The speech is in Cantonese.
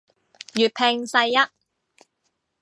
粵拼世一